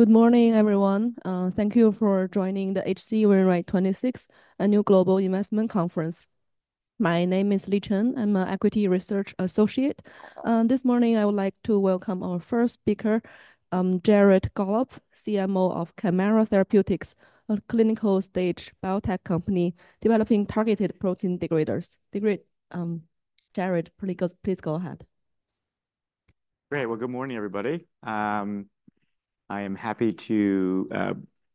Good morning, everyone. Thank you for joining the H.C. Wainwright 26th Annual Global Investment Conference. My name is Li Chen. I'm an Equity Research Associate. This morning, I would like to welcome our first speaker, Jared Gollob, CMO of Kymera Therapeutics, a clinical-stage biotech company developing targeted protein degraders. Jared, please go ahead. Great. Good morning, everybody. I am happy to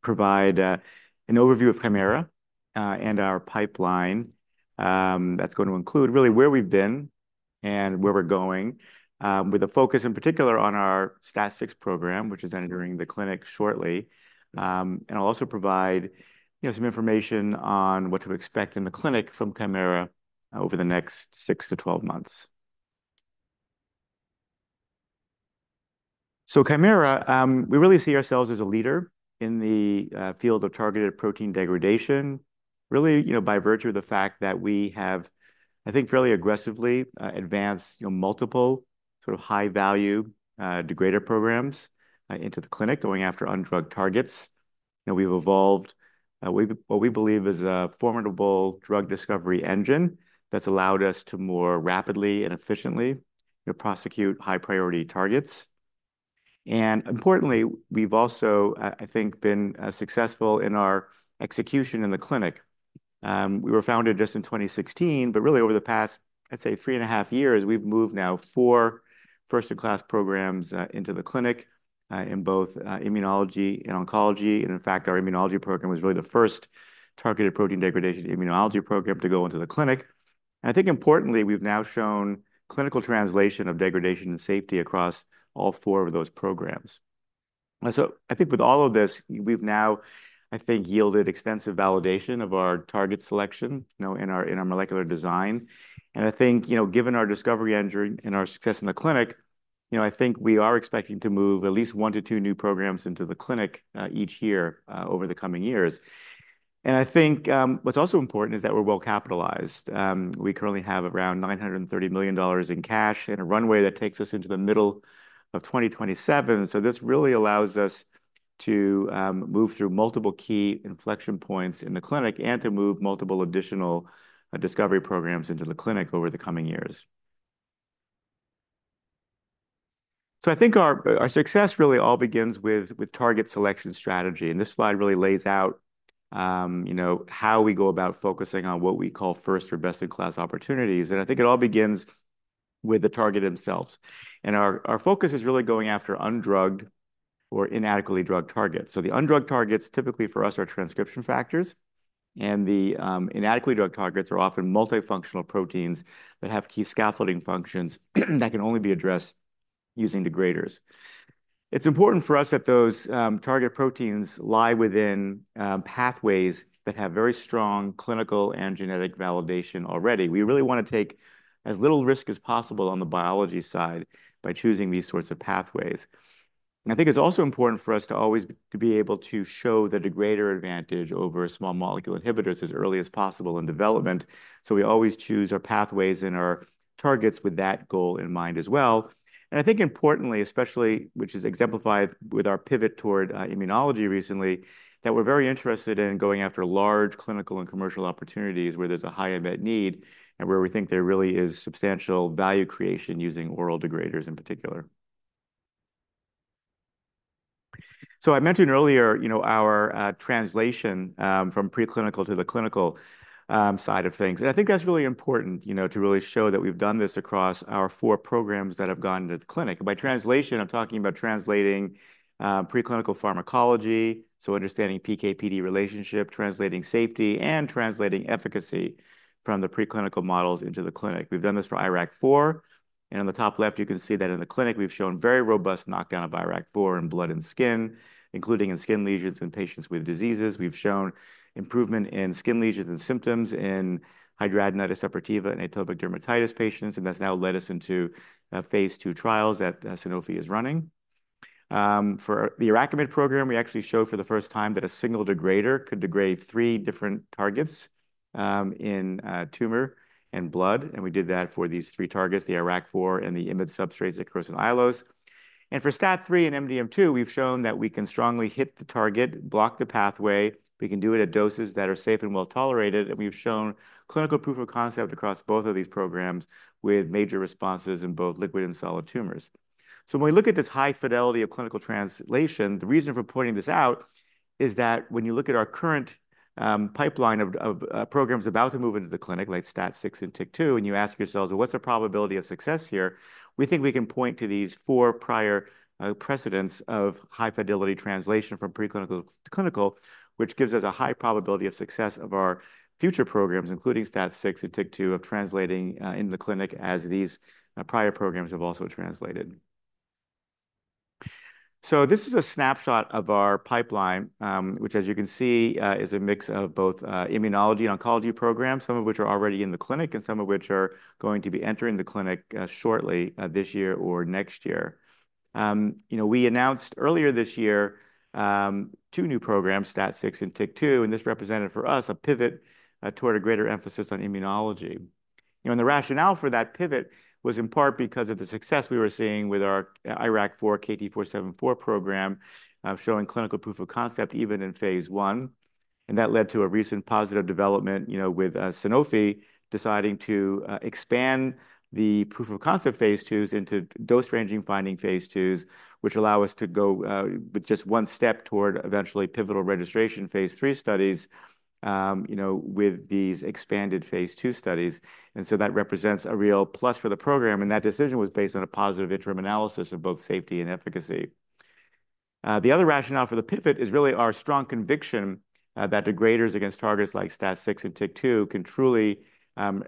provide an overview of Kymera and our pipeline. That's going to include really where we've been and where we're going, with a focus in particular on our STAT6 program, which is entering the clinic shortly. I'll also provide, you know, some information on what to expect in the clinic from Kymera over the next six to 12 months. Kymera, we really see ourselves as a leader in the field of targeted protein degradation, really, you know, by virtue of the fact that we have, I think, fairly aggressively advanced, you know, multiple sort of high-value degrader programs into the clinic, going after undrugged targets. And we've evolved what we believe is a formidable drug discovery engine that's allowed us to more rapidly and efficiently, you know, prosecute high-priority targets. And importantly, we've also, I think, been successful in our execution in the clinic. We were founded just in 2016, but really over the past, I'd say, three and a half years, we've moved now four first-in-class programs into the clinic in both immunology and oncology. And in fact, our immunology program was really the first targeted protein degradation immunology program to go into the clinic. And I think importantly, we've now shown clinical translation of degradation and safety across all four of those programs. And so I think with all of this, we've now, I think, yielded extensive validation of our target selection, you know, in our molecular design. I think, you know, given our discovery engine and our success in the clinic, you know, I think we are expecting to move at least one to two new programs into the clinic each year over the coming years. I think what's also important is that we're well-capitalized. We currently have around $930 million in cash and a runway that takes us into the middle of 2027. This really allows us to move through multiple key inflection points in the clinic and to move multiple additional discovery programs into the clinic over the coming years. I think our success really all begins with target selection strategy, and this slide really lays out, you know, how we go about focusing on what we call first or best-in-class opportunities. And I think it all begins with the target themselves. And our focus is really going after undrugged or inadequately drugged targets. So the undrugged targets, typically for us, are transcription factors, and the inadequately drugged targets are often multifunctional proteins that have key scaffolding functions that can only be addressed using degraders. It's important for us that those target proteins lie within pathways that have very strong clinical and genetic validation already. We really want to take as little risk as possible on the biology side by choosing these sorts of pathways. And I think it's also important for us to always be able to show the degrader advantage over small molecule inhibitors as early as possible in development. So we always choose our pathways and our targets with that goal in mind as well. And I think importantly, especially, which is exemplified with our pivot toward immunology recently, that we're very interested in going after large clinical and commercial opportunities where there's a high unmet need and where we think there really is substantial value creation using oral degraders in particular. So I mentioned earlier, you know, our translation from preclinical to the clinical side of things. And I think that's really important, you know, to really show that we've done this across our four programs that have gone to the clinic. And by translation, I'm talking about translating preclinical pharmacology, so understanding PK/PD relationship, translating safety, and translating efficacy from the preclinical models into the clinic. We've done this for IRAK4, and on the top left, you can see that in the clinic, we've shown very robust knockdown of IRAK4 in blood and skin, including in skin lesions in patients with diseases. We've shown improvement in skin lesions and symptoms in hidradenitis suppurativa and atopic dermatitis patients, and that's now led us into phase II trials that Sanofi is running. For the IRAK4/IMiD program, we actually showed for the first time that a single degrader could degrade three different targets in tumor and blood, and we did that for these three targets, the IRAK4 and the IMiD substrates, Ikaros and Aiolos. And for STAT3 and MDM2, we've shown that we can strongly hit the target, block the pathway. We can do it at doses that are safe and well-tolerated, and we've shown clinical proof of concept across both of these programs, with major responses in both liquid and solid tumors. So when we look at this high fidelity of clinical translation, the reason for pointing this out is that when you look at our current pipeline of programs about to move into the clinic, like STAT6 and TYK2, and you ask yourselves: "What's the probability of success here?" We think we can point to these four prior precedents of high-fidelity translation from preclinical to clinical, which gives us a high probability of success of our future programs, including STAT6 and TYK2, of translating in the clinic, as these prior programs have also translated. So this is a snapshot of our pipeline, which, as you can see, is a mix of both, immunology and oncology programs, some of which are already in the clinic, and some of which are going to be entering the clinic, shortly, this year or next year. You know, we announced earlier this year, two new programs, STAT6 and TYK2, and this represented for us a pivot, toward a greater emphasis on immunology. You know, and the rationale for that pivot was in part because of the success we were seeing with our IRAK4/KT-474 program of showing clinical proof of concept even in phase I. And that led to a recent positive development, you know, with Sanofi deciding to expand the proof of concept phase IIs into dose-ranging finding phase IIs, which allow us to go with just one step toward eventually pivotal registration phase III studies, you know, with these expanded phase II studies. And so that represents a real plus for the program, and that decision was based on a positive interim analysis of both safety and efficacy. The other rationale for the pivot is really our strong conviction that degraders against targets like STAT6 and TYK2 can truly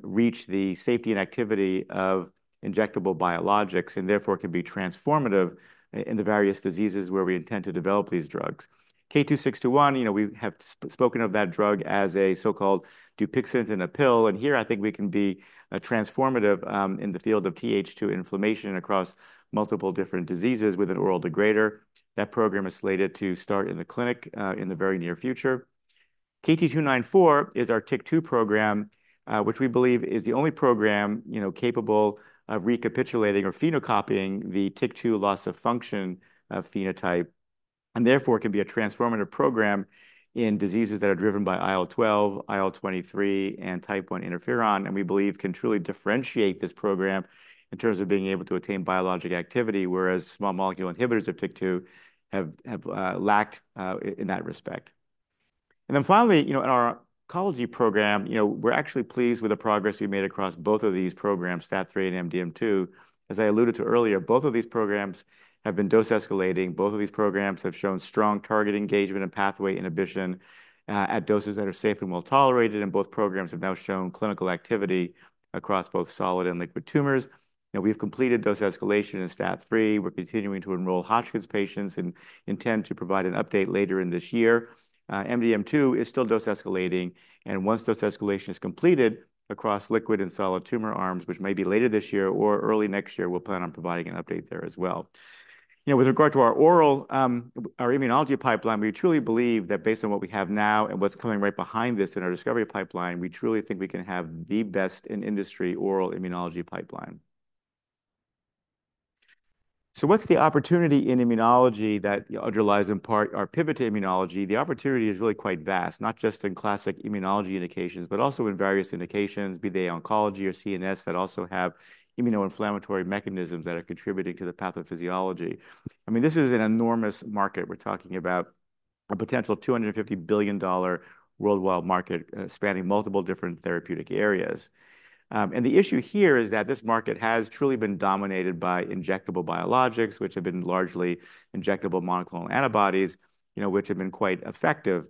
reach the safety and activity of injectable biologics, and therefore, can be transformative in the various diseases where we intend to develop these drugs. KT-621, you know, we have spoken of that drug as a so-called Dupixent in a pill, and here I think we can be transformative in the field of Th2 inflammation across multiple different diseases with an oral degrader. That program is slated to start in the clinic in the very near future. KT-294 is our TYK2 program, which we believe is the only program, you know, capable of recapitulating or phenocopying the TYK2 loss of function phenotype, and therefore can be a transformative program in diseases that are driven by IL-12, IL-23, and type I interferon, and we believe can truly differentiate this program in terms of being able to attain biologic activity, whereas small molecule inhibitors of TYK2 have lacked in that respect. And then finally, you know, in our oncology program, you know, we're actually pleased with the progress we've made across both of these programs, STAT3 and MDM2. As I alluded to earlier, both of these programs have been dose-escalating. Both of these programs have shown strong target engagement and pathway inhibition, at doses that are safe and well-tolerated, and both programs have now shown clinical activity across both solid and liquid tumors. And we've completed dose escalation in STAT3. We're continuing to enroll Hodgkin's patients and intend to provide an update later in this year. MDM2 is still dose-escalating, and once dose escalation is completed across liquid and solid tumor arms, which may be later this year or early next year, we'll plan on providing an update there as well. You know, with regard to our oral, our immunology pipeline, we truly believe that based on what we have now and what's coming right behind this in our discovery pipeline, we truly think we can have the best in industry oral immunology pipeline. So what's the opportunity in immunology that underlies in part our pivot to immunology? The opportunity is really quite vast, not just in classic immunology indications, but also in various indications, be they oncology or CNS, that also have immunoinflammatory mechanisms that are contributing to the pathophysiology. I mean, this is an enormous market. We're talking about a potential $250 billion worldwide market spanning multiple different therapeutic areas, and the issue here is that this market has truly been dominated by injectable biologics, which have been largely injectable monoclonal antibodies, you know, which have been quite effective.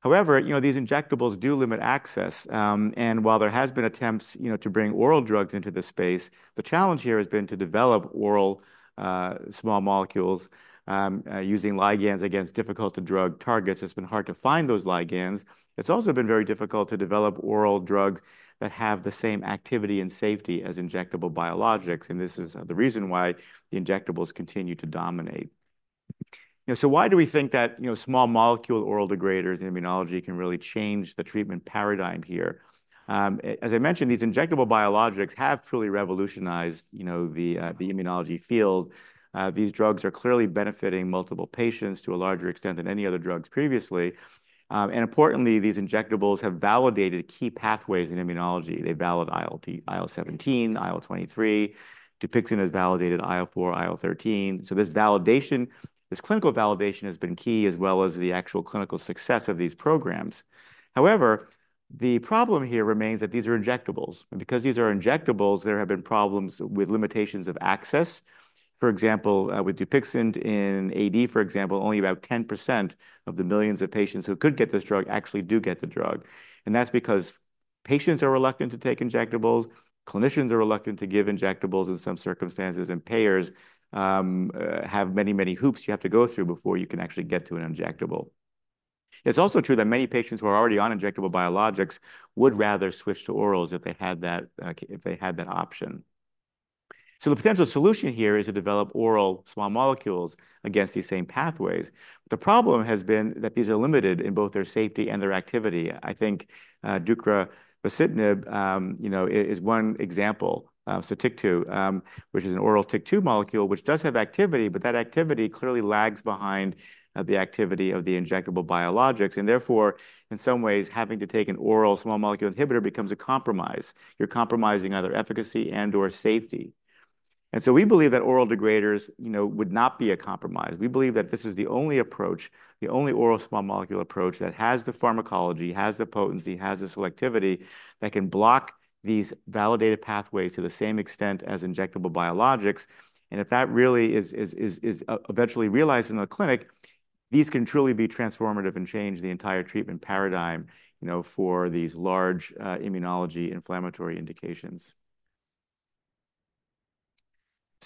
However, you know, these injectables do limit access, and while there has been attempts, you know, to bring oral drugs into this space, the challenge here has been to develop oral small molecules using ligands against difficult-to-drug targets. It's been hard to find those ligands. It's also been very difficult to develop oral drugs that have the same activity and safety as injectable biologics, and this is the reason why the injectables continue to dominate. You know, so why do we think that, you know, small molecule oral degraders in immunology can really change the treatment paradigm here? As I mentioned, these injectable biologics have truly revolutionized, you know, the immunology field. These drugs are clearly benefiting multiple patients to a larger extent than any other drugs previously, and importantly, these injectables have validated key pathways in immunology. They've validated IL-17, IL-23. Dupixent has validated IL-4, IL-13. So this validation, this clinical validation has been key, as well as the actual clinical success of these programs. However, the problem here remains that these are injectables, and because these are injectables, there have been problems with limitations of access. For example, with Dupixent in AD, for example, only about 10% of the millions of patients who could get this drug actually do get the drug. And that's because patients are reluctant to take injectables, clinicians are reluctant to give injectables in some circumstances, and payers have many, many hoops you have to go through before you can actually get to an injectable. It's also true that many patients who are already on injectable biologics would rather switch to orals if they had that option. So the potential solution here is to develop oral small molecules against these same pathways. The problem has been that these are limited in both their safety and their activity. I think, deucravacitinib, you know, is one example. Sotyktu, which is an oral TYK2 molecule, which does have activity, but that activity clearly lags behind, the activity of the injectable biologics. And therefore, in some ways, having to take an oral small molecule inhibitor becomes a compromise. You're compromising either efficacy and/or safety. And so we believe that oral degraders, you know, would not be a compromise. We believe that this is the only approach, the only oral small molecule approach, that has the pharmacology, has the potency, has the selectivity, that can block these validated pathways to the same extent as injectable biologics. If that really is eventually realized in the clinic, these can truly be transformative and change the entire treatment paradigm, you know, for these large, immunology inflammatory indications.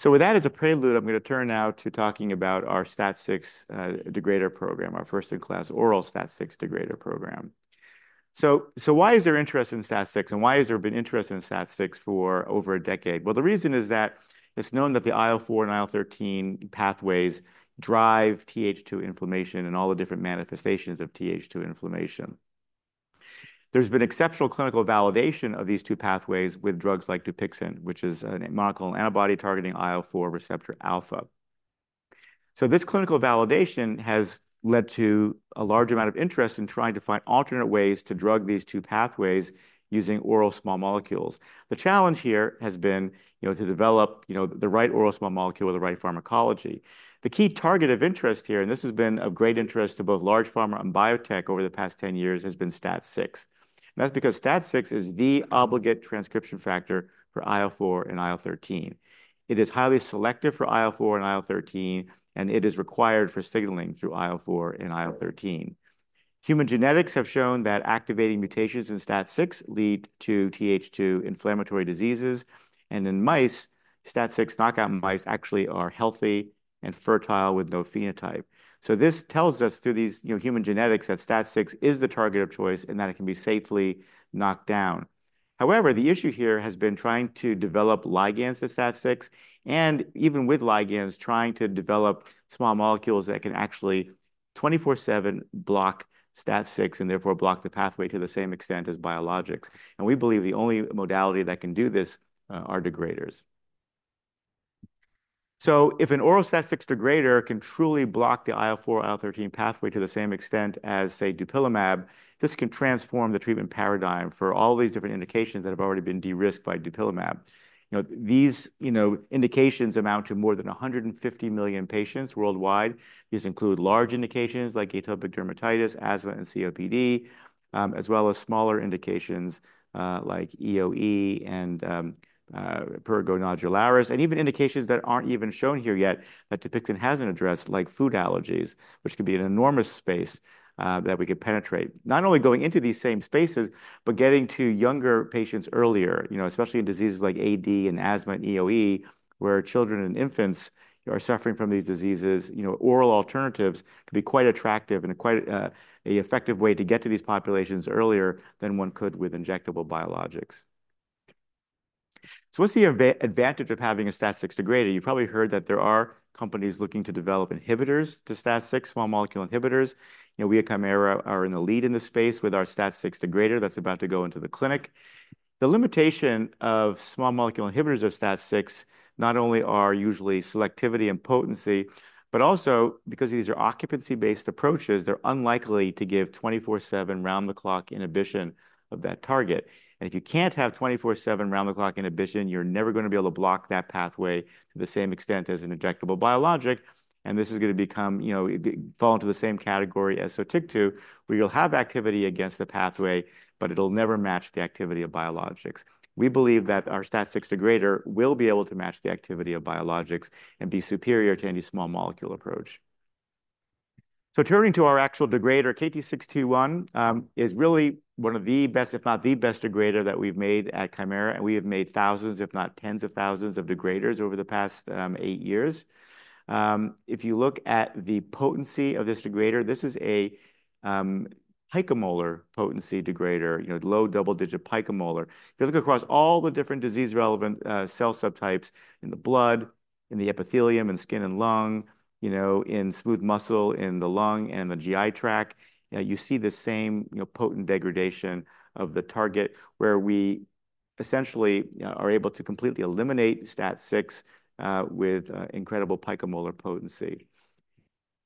With that as a prelude, I'm going to turn now to talking about our STAT6 degrader program, our first-in-class oral STAT6 degrader program. Why is there interest in STAT6, and why has there been interest in STAT6 for over a decade? The reason is that it's known that the IL-4 and IL-13 pathways drive Th2 inflammation and all the different manifestations of Th2 inflammation. There's been exceptional clinical validation of these two pathways with drugs like Dupixent, which is a monoclonal antibody targeting IL-4 receptor alpha. So this clinical validation has led to a large amount of interest in trying to find alternate ways to drug these two pathways using oral small molecules. The challenge here has been, you know, to develop, you know, the right oral small molecule with the right pharmacology. The key target of interest here, and this has been of great interest to both large pharma and biotech over the past 10 years, has been STAT6. That's because STAT6 is the obligate transcription factor for IL-4 and IL-13. It is highly selective for IL-4 and IL-13, and it is required for signaling through IL-4 and IL-13. Human genetics have shown that activating mutations in STAT6 lead to Th2 inflammatory diseases, and in mice, STAT6 knockout mice actually are healthy and fertile with no phenotype. So this tells us, through these, you know, human genetics, that STAT6 is the target of choice and that it can be safely knocked down. However, the issue here has been trying to develop ligands to STAT6, and even with ligands, trying to develop small molecules that can actually 24/7 block STAT6 and therefore block the pathway to the same extent as biologics. And we believe the only modality that can do this are degraders. So if an oral STAT6 degrader can truly block the IL-4, IL-13 pathway to the same extent as, say, dupilumab, this can transform the treatment paradigm for all these different indications that have already been de-risked by dupilumab. You know, these, you know, indications amount to more than 150 million patients worldwide. These include large indications like atopic dermatitis, asthma, and COPD, as well as smaller indications, like EoE and, prurigo nodularis, and even indications that aren't even shown here yet, that Dupixent hasn't addressed, like food allergies, which could be an enormous space, that we could penetrate. Not only going into these same spaces, but getting to younger patients earlier, you know, especially in diseases like AD and asthma and EoE, where children and infants are suffering from these diseases. You know, oral alternatives can be quite attractive and quite a effective way to get to these populations earlier than one could with injectable biologics. So what's the advantage of having a STAT6 degrader? You've probably heard that there are companies looking to develop inhibitors to STAT6, small molecule inhibitors. You know, we at Kymera are in the lead in this space with our STAT6 degrader that's about to go into the clinic. The limitation of small molecule inhibitors of STAT6 not only are usually selectivity and potency, but also because these are occupancy-based approaches, they're unlikely to give 24/7, round-the-clock inhibition of that target. And if you can't have 24/7, round-the-clock inhibition, you're never going to be able to block that pathway to the same extent as an injectable biologic, and this is going to become, you know, fall into the same category as Sotyktu, where you'll have activity against the pathway, but it'll never match the activity of biologics. We believe that our STAT6 degrader will be able to match the activity of biologics and be superior to any small molecule approach. So turning to our actual degrader, KT-621, is really one of the best, if not the best, degrader that we've made at Kymera, and we have made thousands, if not tens of thousands of degraders over the past, eight years. If you look at the potency of this degrader, this is a, picomolar potency degrader, you know, low double-digit picomolar. If you look across all the different disease-relevant, cell subtypes in the blood, in the epithelium, in skin and lung, you know, in smooth muscle, in the lung and the GI tract, you see the same, you know, potent degradation of the target, where we essentially, are able to completely eliminate STAT6, with, incredible picomolar potency.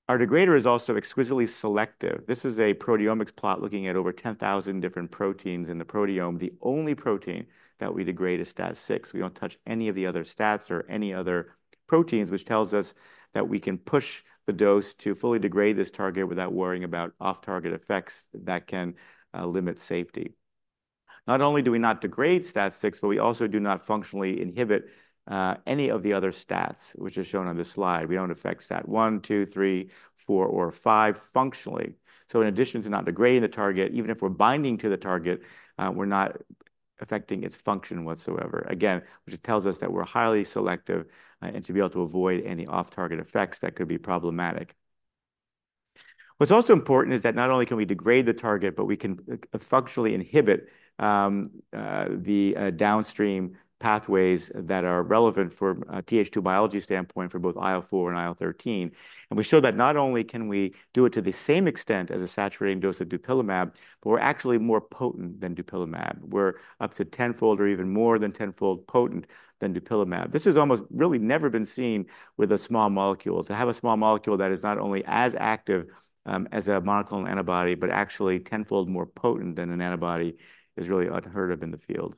Our degrader is also exquisitely selective. This is a proteomics plot looking at over 10,000 different proteins in the proteome. The only protein that we degrade is STAT6. We don't touch any of the other STATs or any other proteins, which tells us that we can push the dose to fully degrade this target without worrying about off-target effects that can limit safety. Not only do we not degrade STAT6, but we also do not functionally inhibit any of the other STATs, which is shown on this slide. We don't affect STAT1, 2, 3, 4, or 5 functionally, so in addition to not degrading the target, even if we're binding to the target, we're not affecting its function whatsoever. Again, which tells us that we're highly selective and to be able to avoid any off-target effects that could be problematic. What's also important is that not only can we degrade the target, but we can functionally inhibit the downstream pathways that are relevant for a Th2 biology standpoint for both IL-4 and IL-13. And we show that not only can we do it to the same extent as a saturating dose of dupilumab, but we're actually more potent than dupilumab. We're up to tenfold or even more than tenfold potent than dupilumab. This is almost really never been seen with a small molecule. To have a small molecule that is not only as active as a monoclonal antibody, but actually tenfold more potent than an antibody is really unheard of in the field.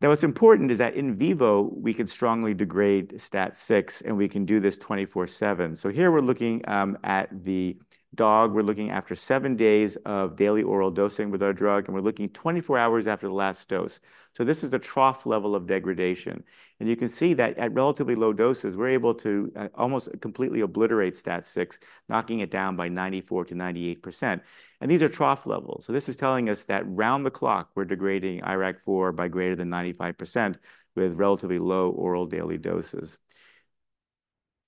Now, what's important is that in vivo, we can strongly degrade STAT6, and we can do this 24/7. So here we're looking at the dog. We're looking after seven days of daily oral dosing with our drug, and we're looking 24 hours after the last dose. So this is the trough level of degradation. And you can see that at relatively low doses, we're able to almost completely obliterate STAT6, knocking it down by 94%-98%. And these are trough levels. So this is telling us that round the clock, we're degrading IRAK4 by greater than 95%, with relatively low oral daily doses.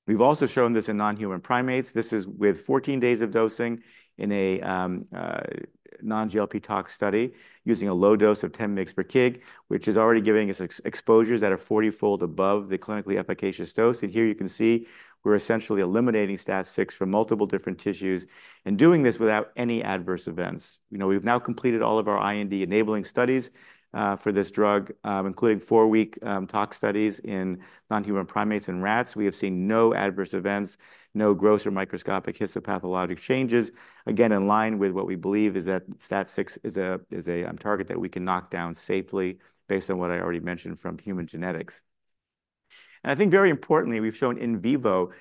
We've also shown this in non-human primates. This is with 14 days of dosing in a non-GLP tox study using a low dose of 10 mg/kg, which is already giving us exposures that are 40-fold above the clinically efficacious dose. And here you can see we're essentially eliminating STAT6 from multiple different tissues and doing this without any adverse events. You know, we've now completed all of our IND-enabling studies for this drug, including four-week tox studies in non-human primates and rats. We have seen no adverse events, no gross or microscopic histopathologic changes. Again, in line with what we believe is that STAT6 is a target that we can knock down safely based on what I already mentioned from human genetics. And I think very importantly, we've shown in vivo that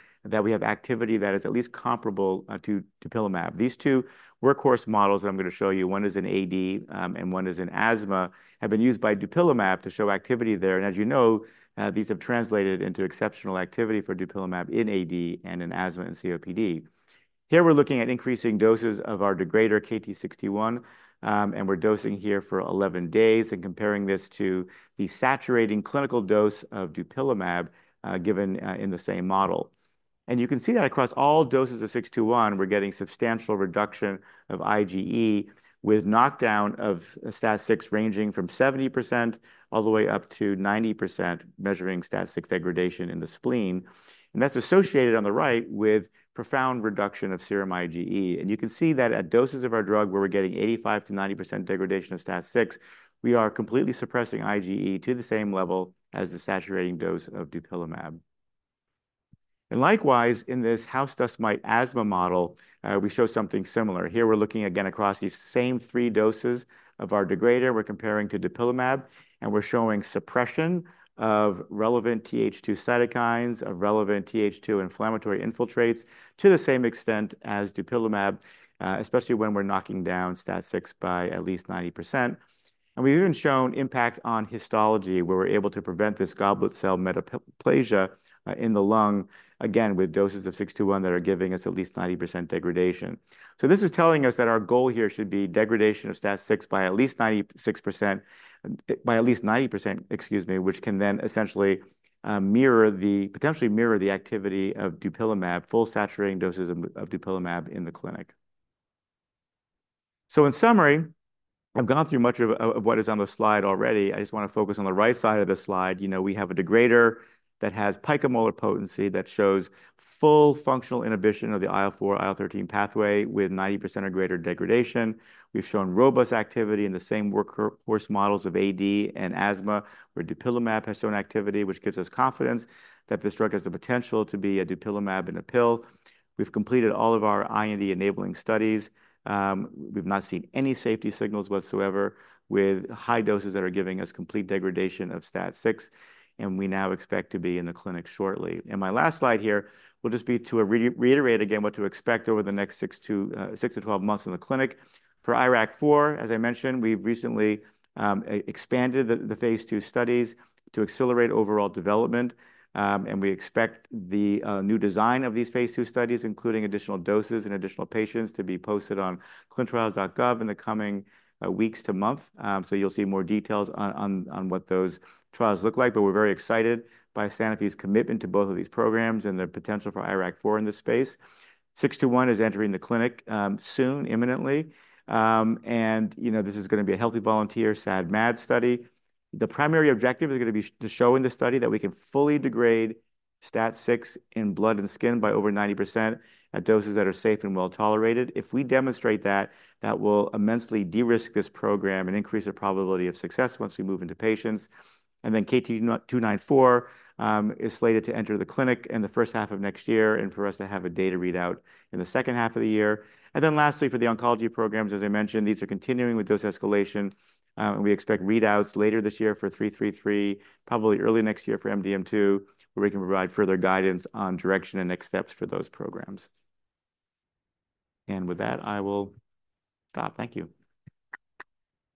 we have activity that is at least comparable to dupilumab. These two workhorse models that I'm gonna show you, one is in AD and one is in asthma, have been used by dupilumab to show activity there. And as you know, these have translated into exceptional activity for dupilumab in AD and in asthma and COPD. Here we're looking at increasing doses of our degrader, KT-621, and we're dosing here for eleven days and comparing this to the saturating clinical dose of dupilumab, given in the same model. And you can see that across all doses of 621, we're getting substantial reduction of IgE, with knockdown of STAT6 ranging from 70% all the way up to 90%, measuring STAT6 degradation in the spleen. And that's associated on the right with profound reduction of serum IgE. And you can see that at doses of our drug, where we're getting 85%-90% degradation of STAT6, we are completely suppressing IgE to the same level as the saturating dose of dupilumab. And likewise, in this house dust mite asthma model, we show something similar. Here we're looking again across these same three doses of our degrader. We're comparing to dupilumab, and we're showing suppression of relevant Th2 cytokines, of relevant Th2 inflammatory infiltrates to the same extent as dupilumab, especially when we're knocking down STAT6 by at least 90%. We've even shown impact on histology, where we're able to prevent this goblet cell metaplasia in the lung, again, with doses of 621 that are giving us at least 90% degradation. This is telling us that our goal here should be degradation of STAT6 by at least 96%, by at least 90%, excuse me, which can then essentially potentially mirror the activity of dupilumab, full saturating doses of dupilumab in the clinic. In summary, I've gone through much of what is on the slide already. I just want to focus on the right side of the slide. You know, we have a degrader that has picomolar potency, that shows full functional inhibition of the IL-4, IL-13 pathway with 90% or greater degradation. We've shown robust activity in the same workhorse models of AD and asthma, where dupilumab has shown activity, which gives us confidence that this drug has the potential to be a dupilumab in a pill. We've completed all of our IND-enabling studies. We've not seen any safety signals whatsoever, with high doses that are giving us complete degradation of STAT6, and we now expect to be in the clinic shortly, and my last slide here will just be to reiterate again what to expect over the next six to twelve months in the clinic. For IRAK4, as I mentioned, we've recently expanded the phase II studies to accelerate overall development, and we expect the new design of these phase II studies, including additional doses and additional patients, to be posted on clinicaltrials.gov in the coming weeks to month. So you'll see more details on what those trials look like. But we're very excited by Sanofi's commitment to both of these programs and the potential for IRAK4 in this space. 621 is entering the clinic soon, imminently. And you know, this is gonna be a healthy volunteer, SAD/MAD study. The primary objective is gonna be to show in this study that we can fully degrade STAT6 in blood and skin by over 90% at doses that are safe and well-tolerated. If we demonstrate that, that will immensely de-risk this program and increase the probability of success once we move into patients. And then KT-294 is slated to enter the clinic in the first half of next year, and for us to have a data readout in the second half of the year. And then lastly, for the oncology programs, as I mentioned, these are continuing with dose escalation, and we expect readouts later this year for KT-333, probably early next year for MDM2, where we can provide further guidance on direction and next steps for those programs. And with that, I will stop. Thank you.